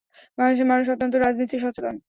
বাংলাদেশের মানুষ অত্যন্ত রাজনীতি সচেতন।